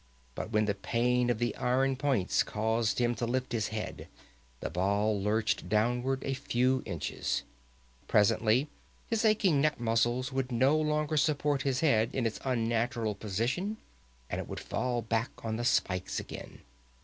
But when the pain of the iron points caused him to lift his head, the ball lurched downward a few inches. Presently his aching neck muscles would no longer support his head in its unnatural position and it would fall back on the spikes again.